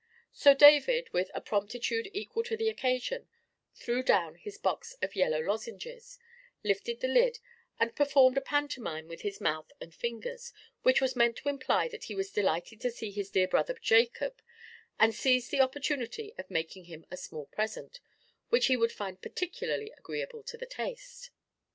So David, with a promptitude equal to the occasion, drew out his box of yellow lozenges, lifted the lid, and performed a pantomime with his mouth and fingers, which was meant to imply that he was delighted to see his dear brother Jacob, and seized the opportunity of making him a small present, which he would find particularly agreeable to the taste.